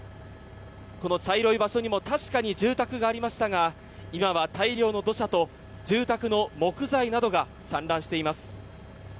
この茶色い場所にも確かに住宅がありましたが今は大量の土砂と住宅の木材などが散乱しています。